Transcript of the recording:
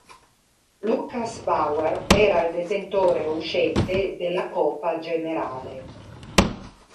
Lukáš Bauer era il detentore uscente della Coppa generale.